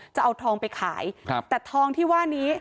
จะเอาทองไปขายครับแต่ทองที่ว่านี้